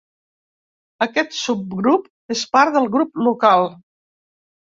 Aquest subgrup és part del Grup Local.